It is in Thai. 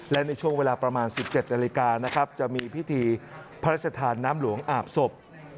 และในช่วงเวลาประมาณ๑๗นาฬิกานะครับจะมีพิธีพระราชทานน้ำหลวงอาบศพ